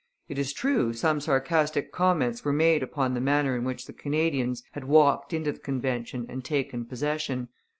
It is true, some sarcastic comments were made upon the manner in which the Canadians had walked into the convention and taken possession.